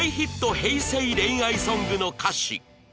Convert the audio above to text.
平成恋愛ソングの歌詞